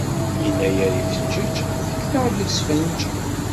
Yennayer ifeǧǧeǧ, fektaɣ lesfenj.